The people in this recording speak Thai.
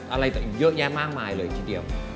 อะไรเยอะแยะมากมายเลยทีเดียว